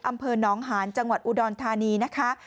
อำเภอน้องหานจังหวัดอุดรธานีนะคะ